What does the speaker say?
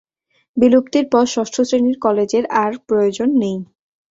বিলুপ্তির পর ষষ্ঠ শ্রেণীর কলেজের আর প্রয়োজন নেই।